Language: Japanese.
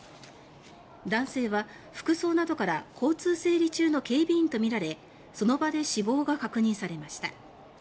男性は服装などから交通整理中の警備員とみられその場で死亡が確認されました。